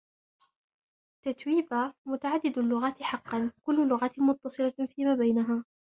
تتويبا متعدد اللغات حقًّا. كل اللغات متصلة فيما بينها.